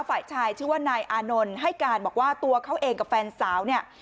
ฝ่ายชายชื่อว่านายอานนท์ให้การบอกว่าตัวเขาเองกับแฟนสาวเนี่ย